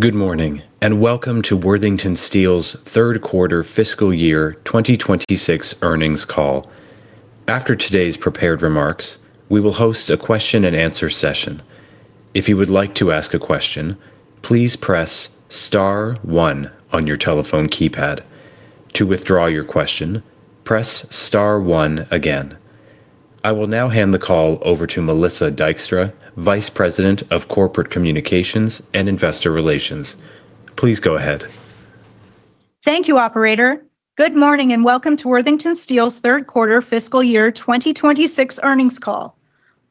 Good morning, and welcome to Worthington Steel's Q3 fiscal year 2026 earnings call. After today's prepared remarks, we will host a question and answer session. If you would like to ask a question, please press star one on your telephone keypad. To withdraw your question press star one again. I will now hand the call over to Melissa Dykstra, Vice President of Corporate Communications and Investor Relations. Please go ahead. Thank you, operator. Good morning, and welcome to Worthington Steel's Q3 fiscal year 2026 earnings call.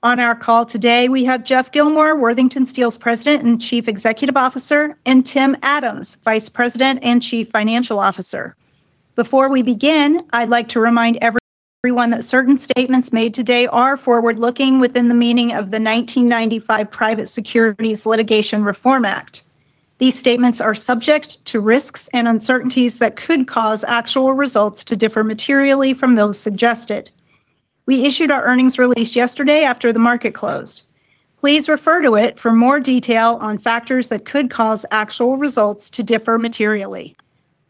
On our call today we have Geoff Gilmore, Worthington Steel's President and Chief Executive Officer, and Tim Adams, Vice President and Chief Financial Officer. Before we begin, I'd like to remind everyone that certain statements made today are forward-looking within the meaning of the 1995 Private Securities Litigation Reform Act. These statements are subject to risks and uncertainties that could cause actual results to differ materially from those suggested. We issued our earnings release yesterday after the market closed. Please refer to it for more detail on factors that could cause actual results to differ materially.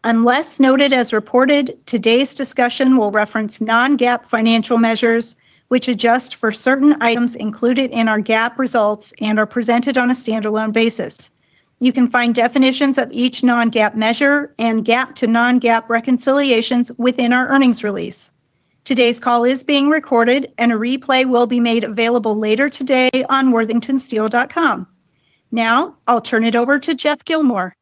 Unless noted as reported, today's discussion will reference non-GAAP financial measures which adjust for certain items included in our GAAP results and are presented on a standalone basis. You can find definitions of each non-GAAP measure and GAAP to non-GAAP reconciliations within our earnings release. Today's call is being recorded and a replay will be made available later today on worthingtonsteel.com. Now I'll turn it over to Geoff Gilmore.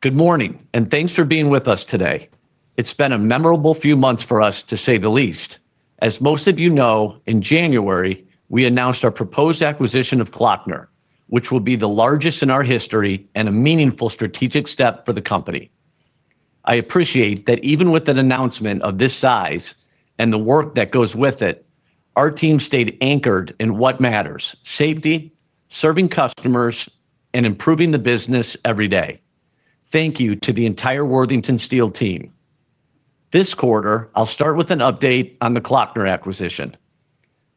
Good morning, and thanks for being with us today. It's been a memorable few months for us to say the least. As most of you know, in January, we announced our proposed acquisition of Kloeckner, which will be the largest in our history and a meaningful strategic step for the company. I appreciate that even with an announcement of this size and the work that goes with it, our team stayed anchored in what matters, safety, serving customers, and improving the business every day. Thank you to the entire Worthington Steel team. This quarter, I'll start with an update on the Kloeckner acquisition.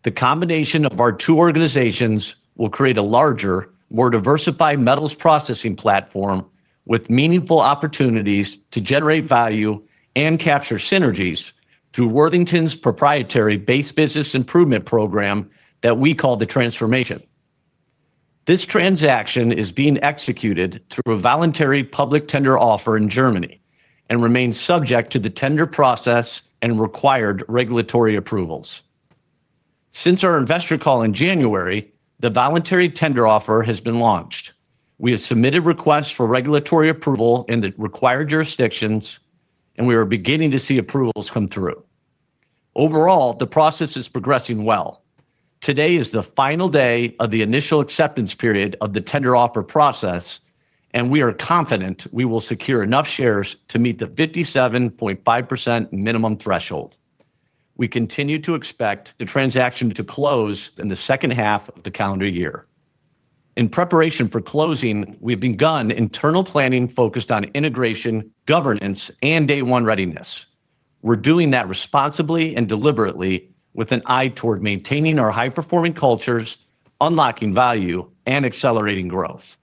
The combination of our two organizations will create a larger, more diversified metals processing platform with meaningful opportunities to generate value and capture synergies through Worthington's proprietary base business improvement program that we call the transformation. This transaction is being executed through a voluntary public tender offer in Germany and remains subject to the tender process and required regulatory approvals. Since our investor call in January, the voluntary tender offer has been launched. We have submitted requests for regulatory approval in the required jurisdictions, and we are beginning to see approvals come through. Overall, the process is progressing well. Today is the final day of the initial acceptance period of the tender offer process, and we are confident we will secure enough shares to meet the 57.5% minimum threshold. We continue to expect the transaction to close in the second half of the calendar year. In preparation for closing, we've begun internal planning focused on integration, governance, and day one readiness. We're doing that responsibly and deliberately with an eye toward maintaining our high-performing cultures, unlocking value, and accelerating growth.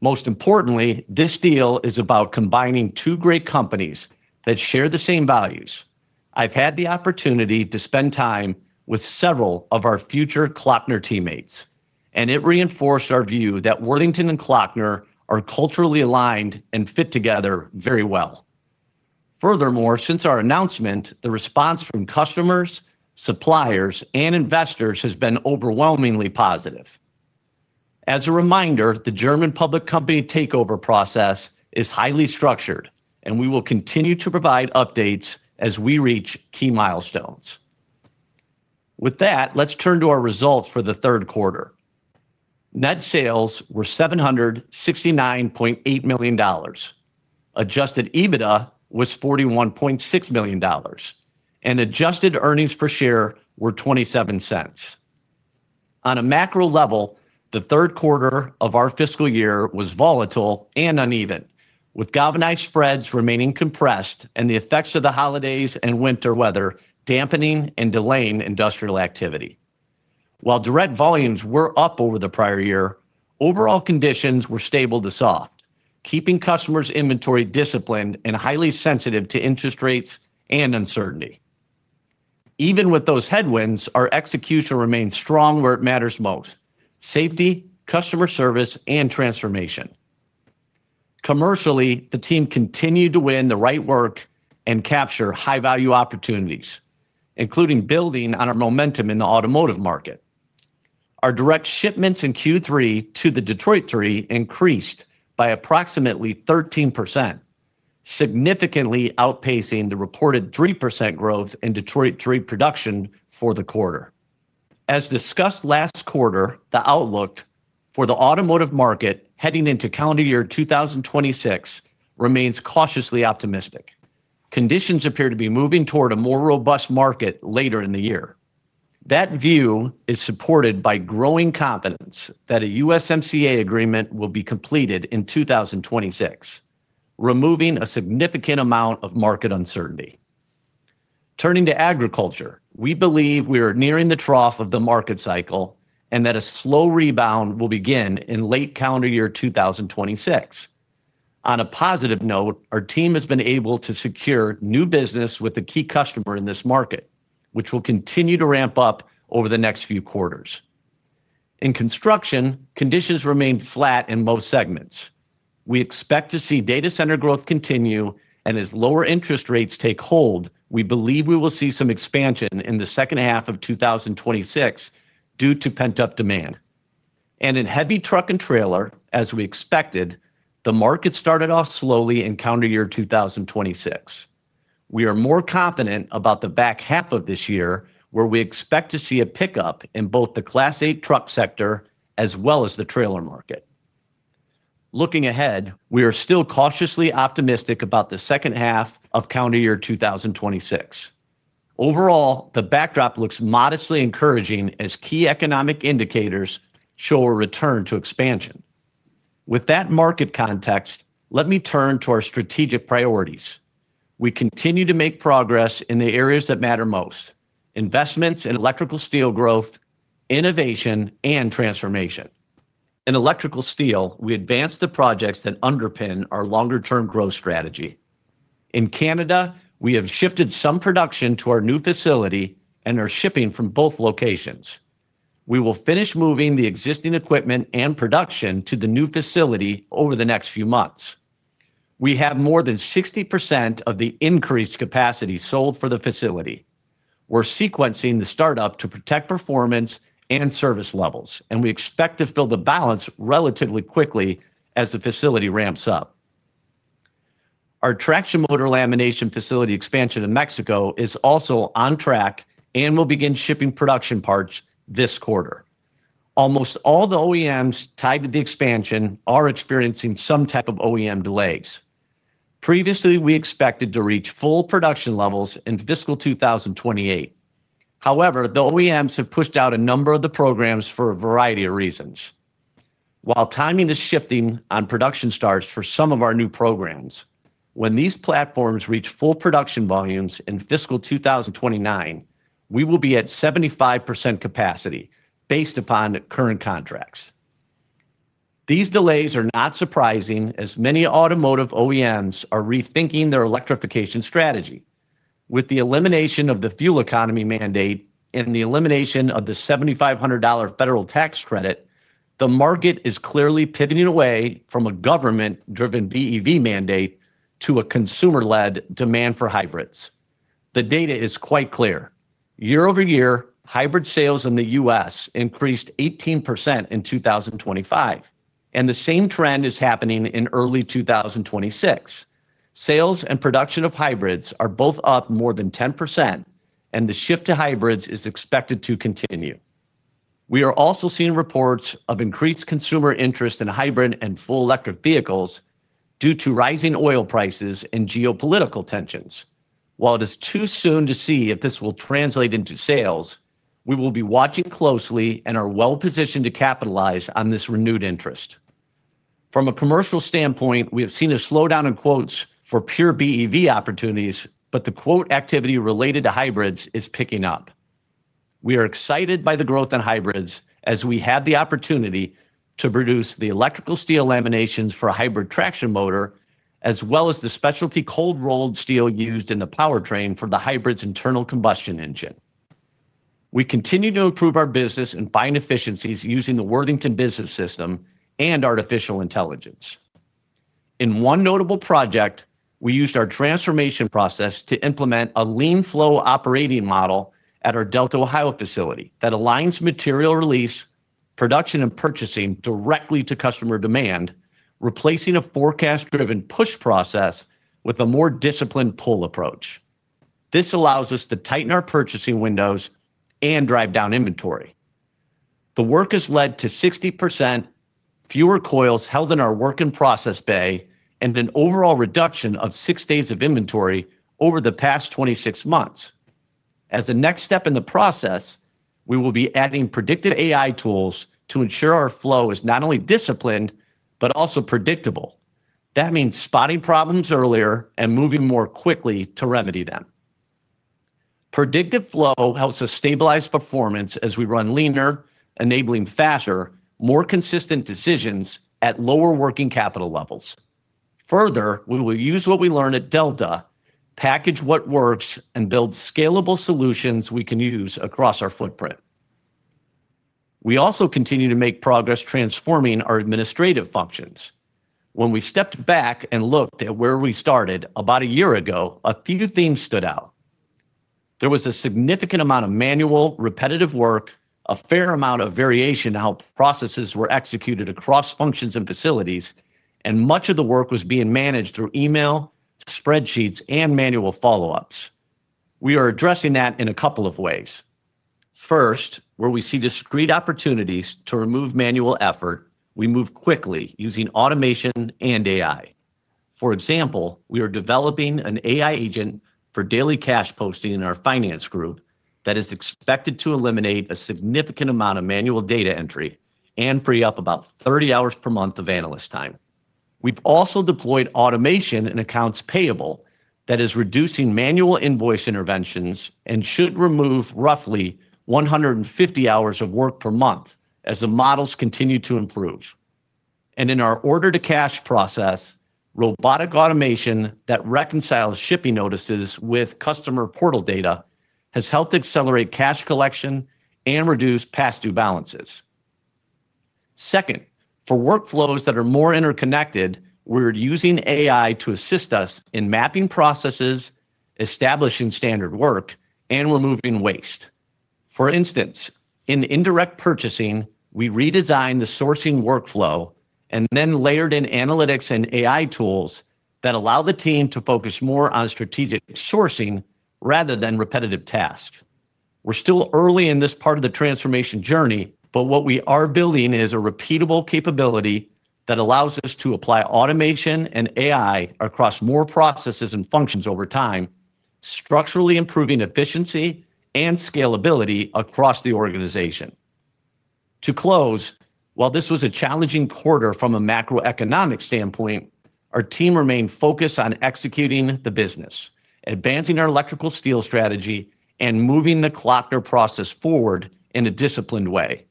Most importantly, this deal is about combining two great companies that share the same values. I've had the opportunity to spend time with several of our future Kloeckner teammates, and it reinforced our view that Worthington and Kloeckner are culturally aligned and fit together very well. Furthermore, since our announcement, the response from customers, suppliers, and investors has been overwhelmingly positive. As a reminder, the German public company takeover process is highly structured, and we will continue to provide updates as we reach key milestones. With that, let's turn to our results for the Q3. Net sales were $769.8 million. Adjusted EBITDA was $41.6 million. Adjusted earnings per share were $0.27. On a macro level, the Q3 of our fiscal year was volatile and uneven, with galvanized spreads remaining compressed and the effects of the holidays and winter weather dampening and delaying industrial activity. While direct volumes were up over the prior year, overall conditions were stable to soft, keeping customers' inventory disciplined and highly sensitive to interest rates and uncertainty. Even with those headwinds, our execution remained strong where it matters most, safety, customer service, and transformation. Commercially, the team continued to win the right work and capture high-value opportunities, including building on our momentum in the automotive market. Our direct shipments in Q3 to the Detroit Three increased by approximately 13%, significantly outpacing the reported 3% growth in Detroit Three production for the quarter. As discussed last quarter, the outlook for the automotive market heading into calendar year 2026 remains cautiously optimistic. Conditions appear to be moving toward a more robust market later in the year. That view is supported by growing confidence that a USMCA agreement will be completed in 2026, removing a significant amount of market uncertainty. Turning to agriculture, we believe we are nearing the trough of the market cycle and that a slow rebound will begin in late calendar year 2026. On a positive note, our team has been able to secure new business with a key customer in this market which will continue to ramp up over the next few quarters. In construction, conditions remained flat in most segments. We expect to see data center growth continue, and as lower interest rates take hold, we believe we will see some expansion in the second half of 2026 due to pent-up demand. In heavy truck and trailer, as we expected, the market started off slowly in calendar year 2026. We are more confident about the back half of this year where we expect to see a pickup in both the Class 8 truck sector as well as the trailer market. Looking ahead, we are still cautiously optimistic about the second half of calendar year 2026. Overall, the backdrop looks modestly encouraging as key economic indicators show a return to expansion. With that market context, let me turn to our strategic priorities. We continue to make progress in the areas that matter most, investments in electrical steel growth, innovation, and transformation. In electrical steel, we advanced the projects that underpin our longer-term growth strategy. In Canada, we have shifted some production to our new facility and are shipping from both locations. We will finish moving the existing equipment and production to the new facility over the next few months. We have more than 60% of the increased capacity sold for the facility. We're sequencing the startup to protect performance and service levels, and we expect to fill the balance relatively quickly as the facility ramps up. Our traction motor lamination facility expansion in Mexico is also on track and will begin shipping production parts this quarter. Almost all the OEMs tied to the expansion are experiencing some type of OEM delays. Previously, we expected to reach full production levels in fiscal 2028. However, the OEMs have pushed out a number of the programs for a variety of reasons. While timing is shifting on production starts for some of our new programs, when these platforms reach full production volumes in fiscal 2029, we will be at 75% capacity based upon current contracts. These delays are not surprising as many automotive OEMs are rethinking their electrification strategy. With the elimination of the fuel economy mandate and the elimination of the $7,500 federal tax credit, the market is clearly pivoting away from a government-driven BEV mandate to a consumer-led demand for hybrids. The data is quite clear. Year-over-year, hybrid sales in the U.S. increased 18% in 2025, and the same trend is happening in early 2026. Sales and production of hybrids are both up more than 10%, and the shift to hybrids is expected to continue. We are also seeing reports of increased consumer interest in hybrid and full electric vehicles, due to rising oil prices and geopolitical tensions. While it is too soon to see if this will translate into sales, we will be watching closely and are well-positioned to capitalize on this renewed interest. From a commercial standpoint, we have seen a slowdown in quotes for pure BEV opportunities, but the quote activity related to hybrids is picking up. We are excited by the growth in hybrids as we have the opportunity to produce the electrical steel laminations for a hybrid traction motor, as well as the specialty cold-rolled steel used in the powertrain for the hybrid's internal combustion engine. We continue to improve our business and find efficiencies using the Worthington Business System and artificial intelligence. In one notable project, we used our transformation process to implement a lean flow operating model at our Delta, Ohio facility that aligns material release, production, and purchasing directly to customer demand, replacing a forecast-driven push process with a more disciplined pull approach. This allows us to tighten our purchasing windows and drive down inventory. The work has led to 60% fewer coils held in our work in process bay and an overall reduction of six days of inventory over the past 26 months. As the next step in the process, we will be adding predictive AI tools to ensure our flow is not only disciplined but also predictable. That means spotting problems earlier and moving more quickly to remedy them. Predictive flow helps us stabilize performance as we run leaner, enabling faster, more consistent decisions at lower working capital levels. Further, we will use what we learn at Delta, package what works, and build scalable solutions we can use across our footprint. We also continue to make progress transforming our administrative functions. When we stepped back and looked at where we started about a year ago, a few themes stood out. There was a significant amount of manual, repetitive work, a fair amount of variation in how processes were executed across functions and facilities, and much of the work was being managed through email, spreadsheets, and manual follow-ups. We are addressing that in a couple of ways. First, where we see discrete opportunities to remove manual effort, we move quickly using automation and AI. For example, we are developing an AI agent for daily cash posting in our finance group that is expected to eliminate a significant amount of manual data entry and free up about 30 hours per month of analyst time. We've also deployed automation in accounts payable that is reducing manual invoice interventions and should remove roughly 150 hours of work per month as the models continue to improve. In our order to cash process robotic automation that reconciles shipping notices with customer portal data has helped accelerate cash collection and reduce past due balances. Second, for workflows that are more interconnected, we're using AI to assist us in mapping processes establishing standard work and removing waste. For instance, in indirect purchasing, we redesigned the sourcing workflow and then layered in analytics and AI tools that allow the team to focus more on strategic sourcing rather than repetitive tasks. We're still early in this part of the transformation journey, but what we are building is a repeatable capability that allows us to apply automation and AI across more processes and functions over time, structurally improving efficiency and scalability across the organization. To close, while this was a challenging quarter from a macroeconomic standpoint, our team remained focused on executing the business, advancing our electrical steel strategy and moving the Kloeckner process forward in a disciplined way.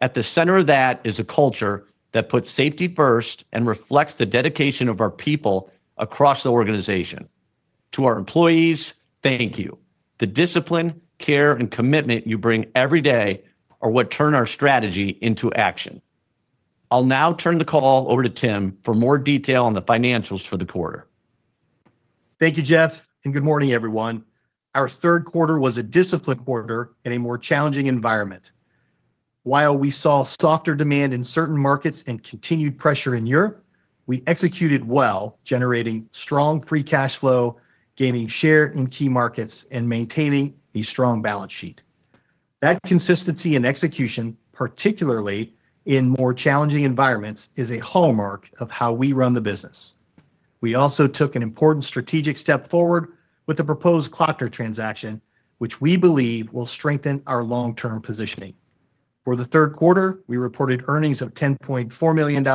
At the center of that is a culture that puts safety first and reflects the dedication of our people across the organization. To our employees, thank you. The discipline, care, and commitment you bring every day are what turn our strategy into action. I'll now turn the call over to Tim for more detail on the financials for the quarter. Thank you, Geoff, and good morning, everyone. Our Q3 was a disciplined quarter in a more challenging environment. While we saw softer demand in certain markets and continued pressure in Europe, we executed well, generating strong free cash flow, gaining share in key markets, and maintaining a strong balance sheet. That consistency in execution, particularly in more challenging environments, is a hallmark of how we run the business. We also took an important strategic step forward with the proposed Kloeckner transaction, which we believe will strengthen our long-term positioning. For the Q3, we reported earnings of $10.4 million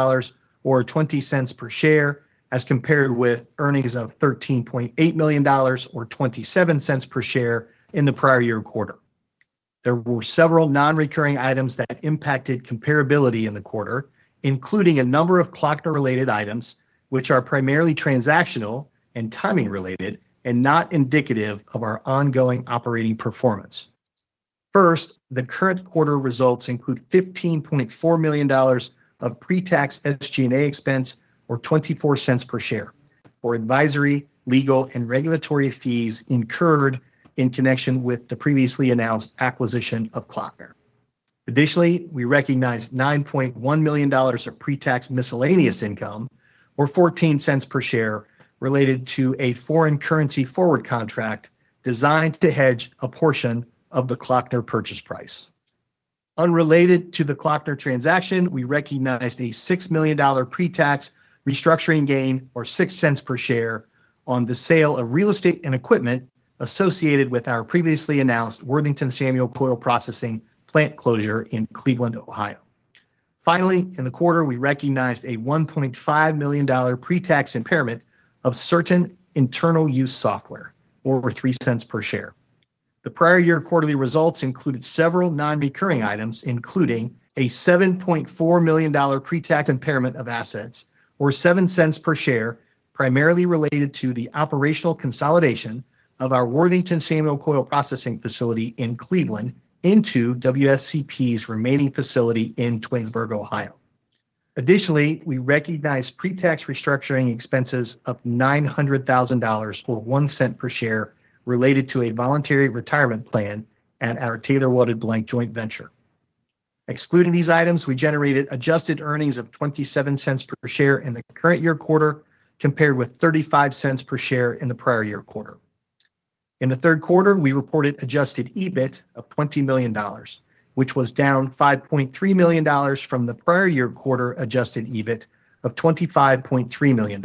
or $0.20 per share as compared with earnings of $13.8 million or $0.27 per share in the prior year quarter. There were several non-recurring items that impacted comparability in the quarter, including a number of Kloeckner-related items, which are primarily transactional and timing related and not indicative of our ongoing operating performance. First, the current quarter results include $15.4 million of pre-tax SG&A expense or $0.24 per share for advisory, legal, and regulatory fees incurred in connection with the previously announced acquisition of Kloeckner. Additionally, we recognized $9.1 million of pre-tax miscellaneous income or $0.14 per share related to a foreign currency forward contract designed to hedge a portion of the Kloeckner purchase price. Unrelated to the Kloeckner transaction, we recognized a $6 million dollar pre-tax restructuring gain or $0.06 per share on the sale of real estate and equipment associated with our previously announced Worthington Samuel Coil Processing plant closure in Cleveland, Ohio. Finally, in the quarter, we recognized a $1.5 million pre-tax impairment of certain internal use software or $0.03 per share. The prior year quarterly results included several non-recurring items, including a $7.4 million pre-tax impairment of assets or $0.07 per share, primarily related to the operational consolidation of our Worthington Samuel Coil Processing facility in Cleveland into WSCP's remaining facility in Twinsburg, Ohio. Additionally, we recognized pre-tax restructuring expenses of $900,000 or $0.01 per share related to a voluntary retirement plan at our TWB joint venture. Excluding these items, we generated adjusted earnings of $0.27 per share in the current year quarter compared with $0.35 per share in the prior year quarter. In the Q3, we reported adjusted EBITDA of $20 million, which was down $5.3 million from the prior year quarter adjusted EBITDA of $25.3 million.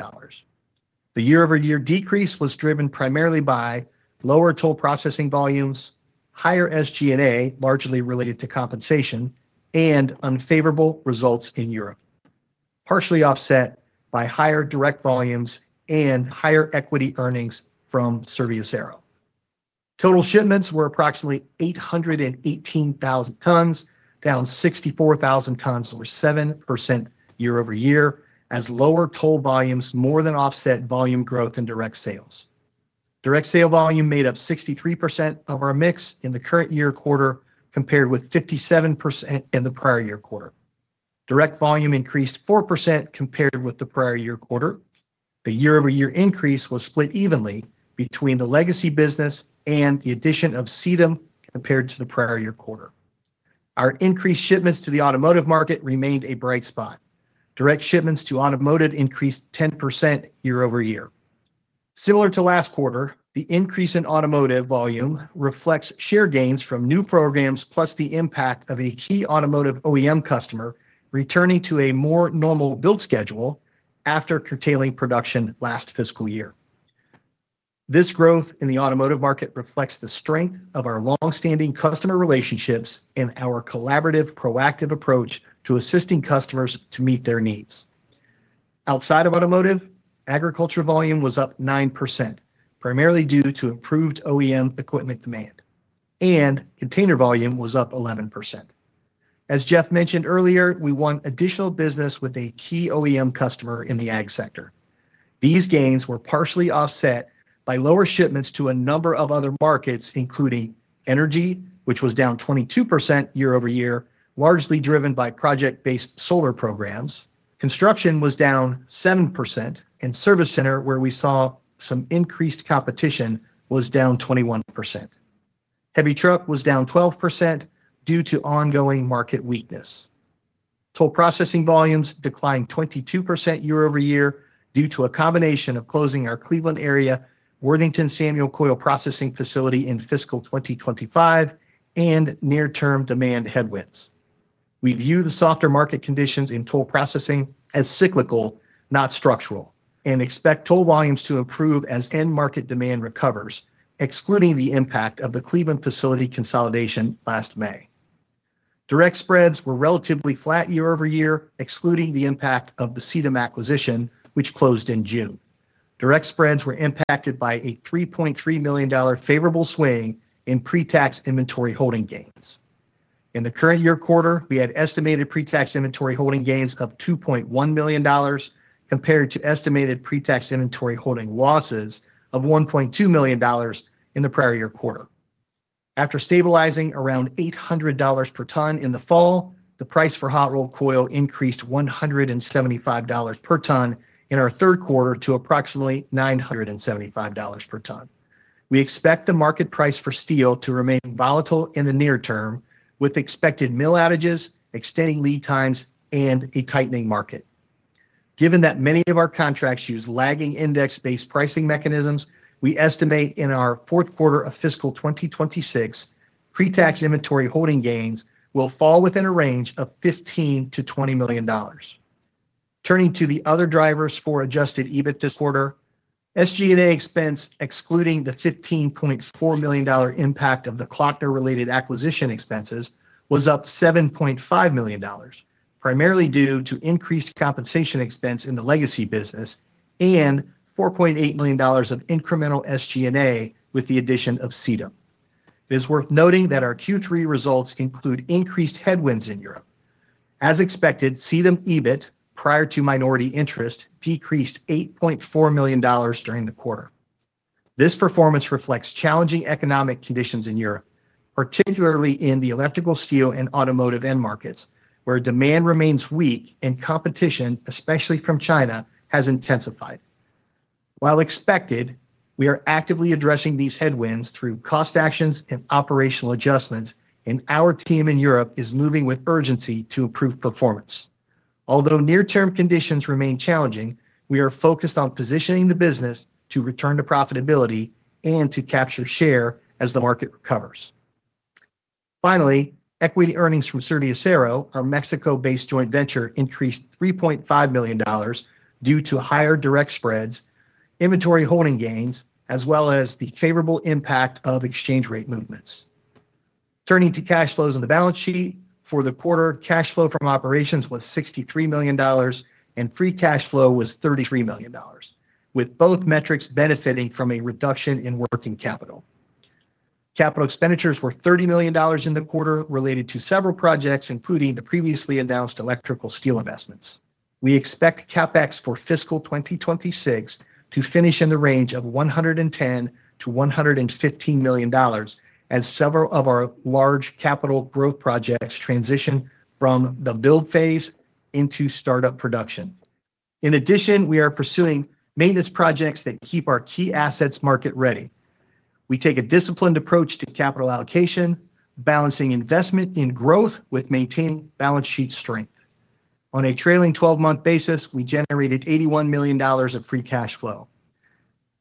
The year-over-year decrease was driven primarily by lower toll processing volumes, higher SG&A, largely related to compensation and unfavorable results in Europe, partially offset by higher direct volumes and higher equity earnings from Serviacero. Total shipments were approximately 818,000 tons, down 64,000 tons or 7% year over year as lower toll volumes more than offset volume growth in direct sales. Direct sale volume made up 63% of our mix in the current year quarter compared with 57% in the prior year quarter. Direct volume increased 4% compared with the prior year quarter. The year-over-year increase was split evenly between the legacy business and the addition of Sitem compared to the prior year quarter. Our increased shipments to the automotive market remained a bright spot. Direct shipments to automotive increased 10% year-over-year. Similar to last quarter, the increase in automotive volume reflects share gains from new programs plus the impact of a key automotive OEM customer returning to a more normal build schedule, after curtailing production last fiscal year. This growth in the automotive market reflects the strength of our long-standing customer relationships and our collaborative, proactive approach to assisting customers to meet their needs. Outside of automotive, agriculture volume was up 9% primarily due to improved OEM equipment demand, and container volume was up 11%. As Geoff mentioned earlier, we won additional business with a key OEM customer in the ag sector. These gains were partially offset by lower shipments to a number of other markets, including energy, which was down 22% year-over-year, largely driven by project-based solar programs. Construction was down 7% and service center where we saw some increased competition was down 21%. Heavy truck was down 12% due to ongoing market weakness. Toll processing volumes declined 22% year-over-year due to a combination of closing our Cleveland-area Worthington Samuel Coil Processing facility in fiscal 2025 and near-term demand headwinds. We view the softer market conditions in toll processing as cyclical, not structural, and expect toll volumes to improve as end market demand recovers, excluding the impact of the Cleveland facility consolidation last May. Direct spreads were relatively flat year-over-year, excluding the impact of the CEDAM acquisition, which closed in June. Direct spreads were impacted by a $3.3 million favorable swing in pre-tax inventory holding gains. In the current year quarter, we had estimated pre-tax inventory holding gains of $2.1 million compared to estimated pre-tax inventory holding losses of $1.2 million in the prior year quarter. After stabilizing around $800 per ton in the fall, the price for Hot Rolled Coil increased $175 per ton in our Q3 to approximately $975 per ton. We expect the market price for steel to remain volatile in the near term with expected mill outages, extending lead times, and a tightening market. Given that many of our contracts use lagging index-based pricing mechanisms, we estimate in our Q4 of fiscal 2026 pre-tax inventory holding gains will fall within a range of $15 to 20 million. Turning to the other drivers for adjusted EBITDA this quarter, SG&A expense excluding the $15.4 million impact of the Kloeckner related acquisition expenses was up $7.5 million, primarily due to increased compensation expense in the legacy business and $4.8 million of incremental SG&A with the addition of CEDAM. It is worth noting that our Q3 results include increased headwinds in Europe. As expected, CEDAM EBITDA prior to minority interest decreased $8.4 million during the quarter. This performance reflects challenging economic conditions in Europe, particularly in the electrical steel and automotive end markets, where demand remains weak and competition, especially from China, has intensified. While expected, we are actively addressing these headwinds through cost actions and operational adjustments, and our team in Europe is moving with urgency to improve performance. Although near-term conditions remain challenging, we are focused on positioning the business to return to profitability and to capture share as the market recovers. Finally, equity earnings from Serviacero, our Mexico-based joint venture, increased $3.5 million due to higher direct spreads, inventory holding gains, as well as the favorable impact of exchange rate movements. Turning to cash flows on the balance sheet. For the quarter, cash flow from operations was $63 million and free cash flow was $33 million, with both metrics benefiting from a reduction in working capital. Capital expenditures were $30 million in the quarter related to several projects, including the previously announced electrical steel investments. We expect CapEx for fiscal 2026 to finish in the range of $110 to $115 million as several of our large capital growth projects transition from the build phase into startup production. In addition, we are pursuing maintenance projects that keep our key assets market ready. We take a disciplined approach to capital allocation, balancing investment in growth with maintaining balance sheet strength. On a trailing 12-month basis, we generated $81 million of free cash flow.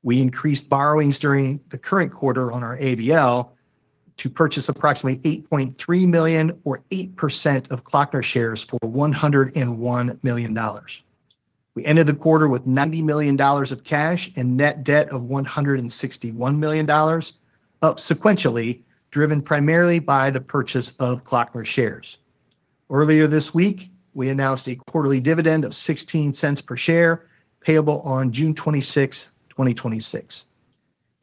We increased borrowings during the current quarter on our ABL to purchase approximately 8.3 million or 8% of Kloeckner shares for $101 million. We ended the quarter with $90 million of cash and net debt of $161 million, up sequentially, driven primarily by the purchase of Kloeckner shares. Earlier this week, we announced a quarterly dividend of $0.16 per share, payable on 26 June 2026.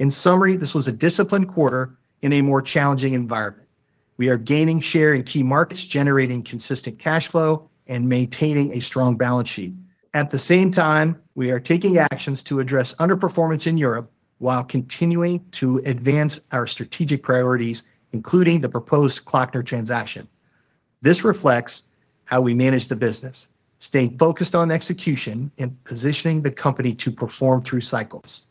In summary, this was a disciplined quarter in a more challenging environment. We are gaining share in key markets, generating consistent cash flow, and maintaining a strong balance sheet. At the same time, we are taking actions to address underperformance in Europe while continuing to advance our strategic priorities, including the proposed Kloeckner transaction. This reflects how we manage the business, staying focused on execution and positioning the company to perform through cycles.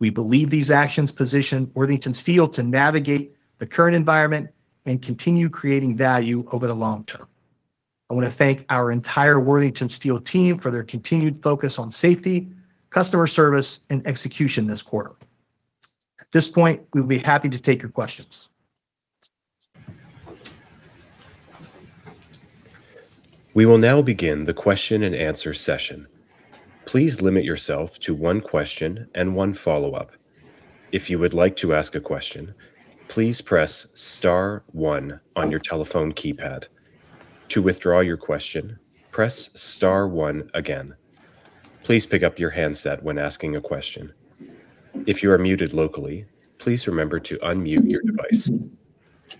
We believe these actions position Worthington Steel to navigate the current environment and continue creating value over the long term. I want to thank our entire Worthington Steel team for their continued focus on safety, customer service, and execution this quarter. At this point, we would be happy to take your questions. We will now begin the question and answer session. Please limit yourself to one question and one follow-up. If you would like to ask a question, please press star one on your telephone keypad. To withdraw your question, press star one again. Please pick up your handset when asking a question. If you are muted locally, please remember to unmute your device.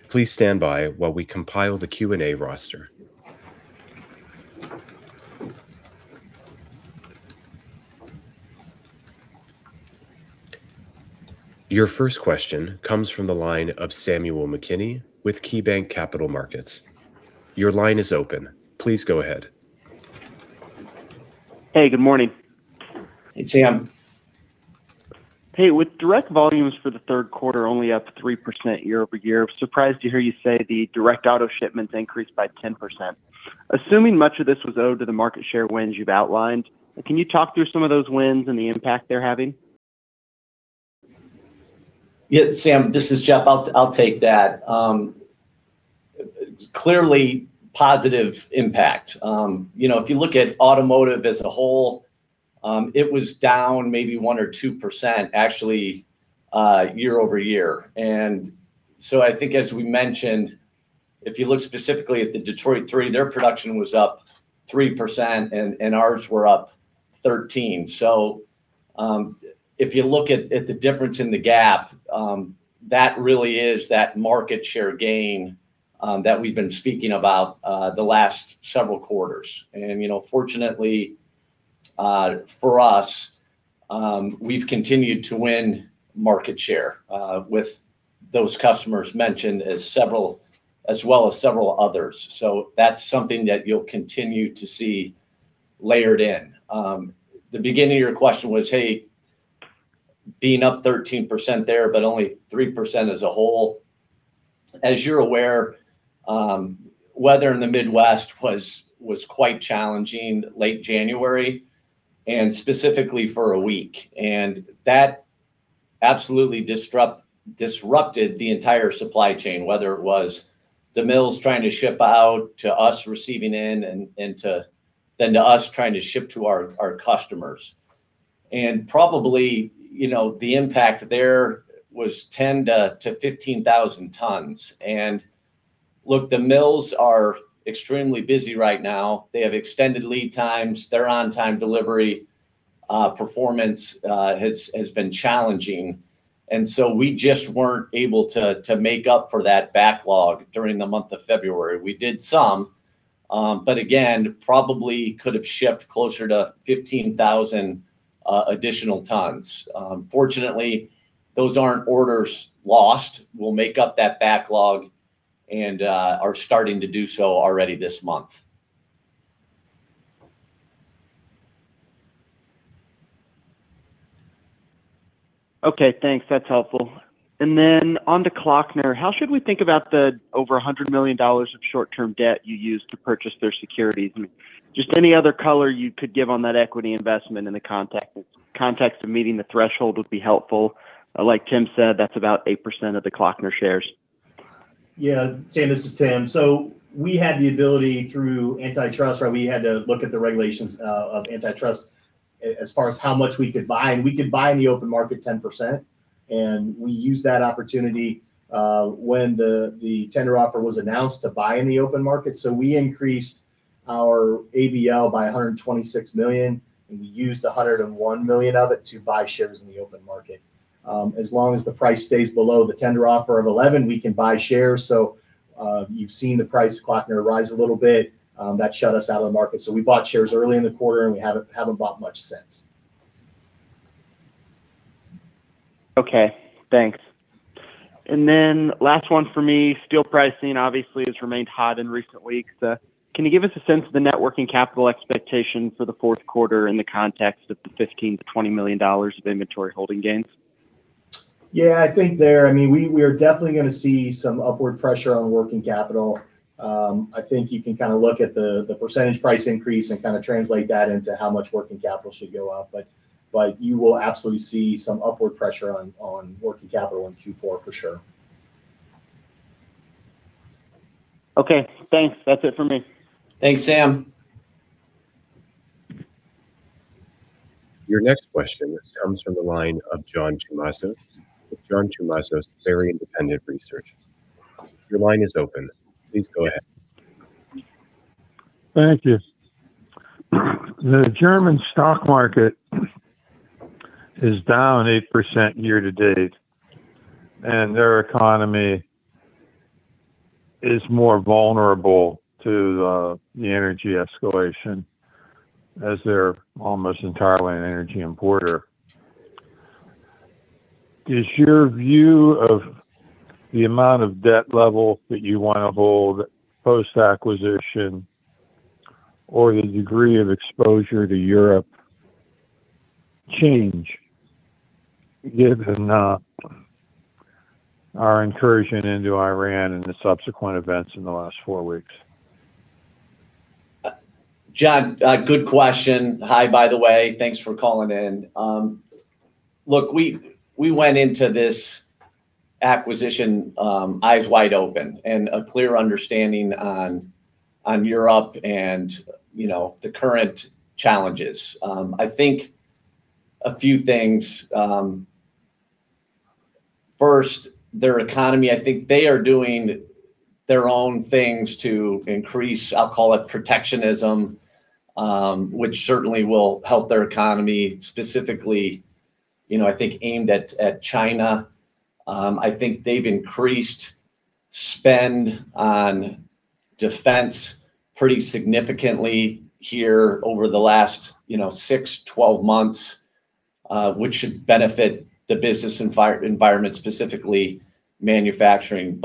Please stand by while we compile the Q&A roster. Your first question comes from the line of Samuel McKinney with KeyBanc Capital Markets. Your line is open. Please go ahead. Hey, good morning. Hey, Sam. Hey, with direct volumes for the Q3 only up 3% year-over-year, I was surprised to hear you say the direct auto shipments increased by 10%. Assuming much of this was due to the market share wins you've outlined, can you talk through some of those wins and the impact they're having? Yeah. Sam, this is Geoff. I'll take that. Clearly positive impact. You know, if you look at automotive as a whole, it was down maybe 1% or 2% actually, year-over-year. I think as we mentioned, if you look specifically at the Detroit Three, their production was up 3% and ours were up 13%. If you look at the difference in the gap, that really is that market share gain that we've been speaking about the last several quarters. You know, fortunately, for us, we've continued to win market share with those customers mentioned, as well as several others. That's something that you'll continue to see layered in. The beginning of your question was, hey, being up 13% there but only 3% as a whole. As you're aware, weather in the Midwest was quite challenging late January, and specifically for a week. That absolutely disrupted the entire supply chain, whether it was the mills trying to ship out to us receiving in and then to us trying to ship to our customers. Probably, you know, the impact there was 10,000 to 15,000 tons. Look, the mills are extremely busy right now. They have extended lead times. Their on-time delivery performance has been challenging. So we just weren't able to make up for that backlog during the month of February. We did some, but again, probably could have shipped closer to 15,000 additional tons. Fortunately, those aren't orders lost. We'll make up that backlog and are starting to do so already this month. Okay, thanks. That's helpful. Then on to Kloeckner. How should we think about the over $100 million of short-term debt you used to purchase their securities? Just any other color you could give on that equity investment in the context of meeting the threshold would be helpful. Like Tim said, that's about 8% of the Kloeckner shares. Yeah. Sam, this is Tim. We had the ability through antitrust, right? We had to look at the regulations of antitrust as far as how much we could buy, and we could buy in the open market 10%. We used that opportunity when the tender offer was announced to buy in the open market so we increased our ABL by $126 million, and we used $101 million of it to buy shares in the open market. As long as the price stays below the tender offer of $11, we can buy shares. You've seen the price of Kloeckner rise a little bit. That shut us out of the market we bought shares early in the quarter, and we haven't bought much since. Okay, thanks. Last one for me. Steel pricing obviously has remained hot in recent weeks. Can you give us a sense of the net working capital expectation for the fourth quarter in the context of the $15 to 20 million of inventory holding gains? Yeah, I think I mean, we are definitely gonna see some upward pressure on working capital. I think you can kind of look at the percentage price increase and kind of translate that into how much working capital should go up, but you will absolutely see some upward pressure on working capital in Q4 for sure. Okay, thanks. That's it for me. Thanks, Sam. Your next question comes from the line of John Tumazos with John Tumazos Very Independent Research. Your line is open. Please go ahead. Thank you. The German stock market, is down 8% year to date, and their economy is more vulnerable to the energy escalation as they're almost entirely an energy importer. Does your view of the amount of debt level that you want to hold post-acquisition? or the degree of exposure to Europe change given our incursion into Iran and the subsequent events in the last four weeks? John, good question. Hi, by the way. Thanks for calling in. Look, we went into this acquisition, eyes wide open and a clear understanding on Europe and, you know, the current challenges. I think a few things, first, their economy i think they are doing their own things to increase i'll call it protectionism, which certainly will help their economy specifically, you know, I think aimed at China. I think they've increased spend on defense pretty significantly here over the last, you know, six, 12 months, which should benefit the business environment, specifically manufacturing.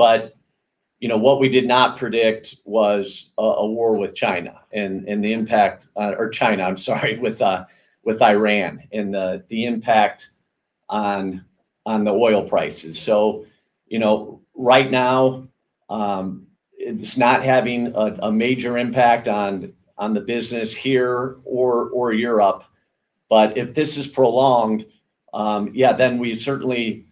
You know, what we did not predict was a war with China and the impact, or China, I'm sorry, with Iran and the impact on the oil prices. You know, right now, it's not having a major impact on the business here or Europe. But if this is prolonged, yeah, then we certainly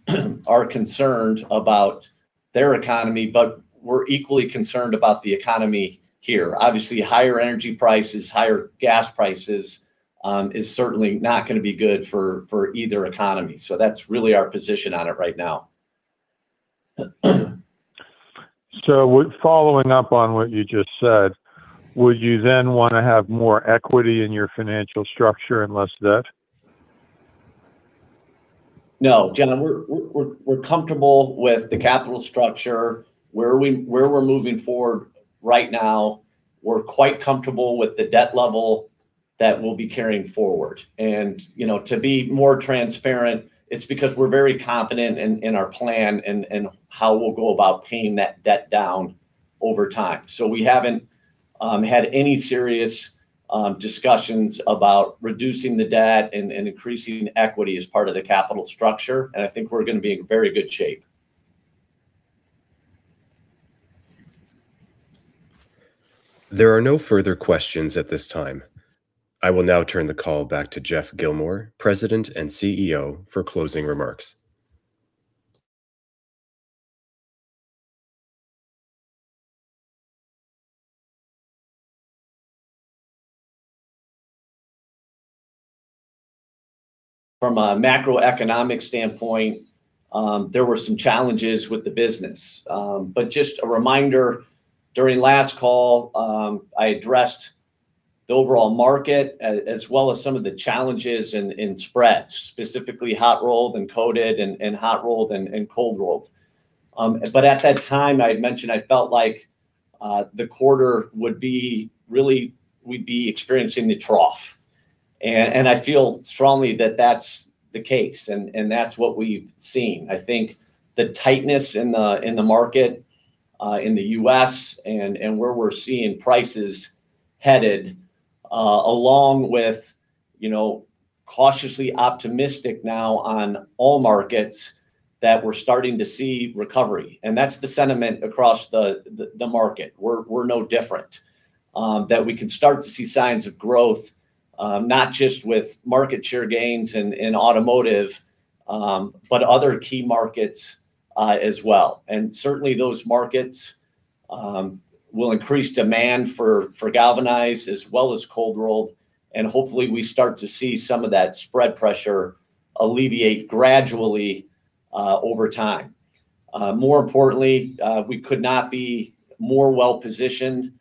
are concerned about their economy, but we're equally concerned about the economy here obviously, higher energy prices, higher gas prices, is certainly not gonna be good for either economy so that's really our position on it right now. Following up on what you just said, would you then wanna have more equity in your financial structure and less debt? No, John. We're comfortable with the capital structure where we're moving forward right now. We're quite comfortable with the debt level that we'll be carrying forward. You know, to be more transparent, it's because we're very confident in our plan and how we'll go about paying that debt down over time so we haven't had any serious discussions about reducing the debt and increasing equity as part of the capital structure, and I think we're gonna be in very good shape. There are no further questions at this time. I will now turn the call back to Geoff Gilmore, President and CEO, for closing remarks. From a macroeconomic standpoint, there were some challenges with the business. Just a reminder, during last call, I addressed the overall market as well as some of the challenges in spreads, specifically hot-rolled and coated and cold-rolled. At that time, I had mentioned I felt like the quarter would be really we'd be experiencing the trough. I feel strongly that that's the case, and that's what we've seen i think the tightness in the market in the U.S. and where we're seeing prices headed along with, you know, cautiously optimistic now on all markets that we're starting to see recoveryand that's the sentiment across the market we're no different in that we can start to see signs of growth, not just with market share gains in automotive, but other key markets as well. Certainly those markets will increase demand for galvanized as well as cold-rolled, and hopefully we start to see some of that spread pressure alleviate gradually over time. More importantly, we could not be more well-positioned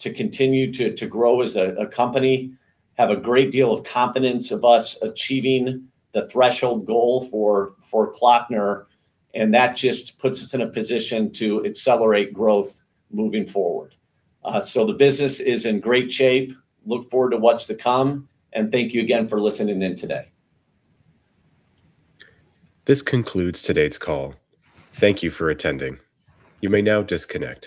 to continue to grow as a company, have a great deal of confidence of us achieving the threshold goal for Kloeckner, and that just puts us in a position to accelerate growth moving forward. So the business is in great shape. I look forward to what's to come, and thank you again for listening in today. This concludes today's call. Thank you for attending. You may now disconnect.